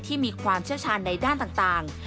มีความเชี่ยวชาญในด้านต่าง